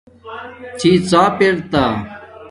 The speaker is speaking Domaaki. ڎی ڎاپ ار تا